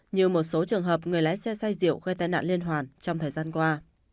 như một số trường hợp người lái xe xay rượu gây tai nạn liên hoàn trong thời gian qua